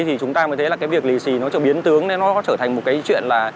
thì chúng ta mới thấy là cái việc lì xì nó biến tướng nên nó trở thành một cái chuyện là